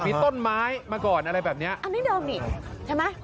มีต้นไม้มาก่อนอะไรแบบเนี้ยอันนี้เดิมอีกใช่ไหม